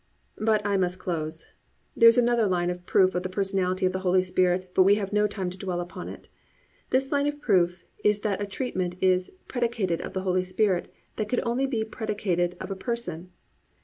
4. But I must close. There is another line of proof of the personality of the Holy Spirit, but we have no time to dwell upon it. This line of proof is that a treatment is predicated of the Holy Spirit that could only be predicated of a person.